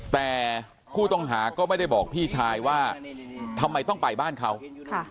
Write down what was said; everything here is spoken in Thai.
แต่ผู้ต้องหาก็ไม่ได้บอกพี่ชายว่าทำไมต้องไปบ้านเขาค่ะ